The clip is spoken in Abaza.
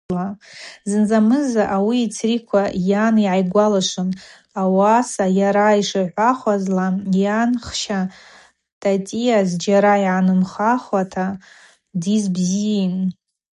Зынзамыза ауи йцриква, йан гӏайгвалашвун, ауаса йара йшихӏвахуазла, йанхща Татиа зджьара йгӏанымхауата дйызбзийын.